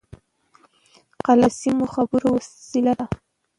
قلم د سمو خبرو وسیله ده